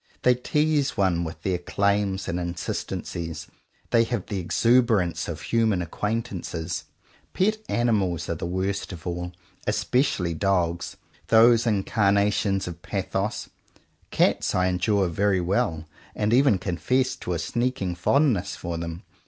They tease one with their claims and insistencies. They have the exuberance of human acquaintances. Pet animals are the worst of all; especially dogs, those incar nations of pathos. Cats I endure very well, and even confess to a sneaking fondness for them.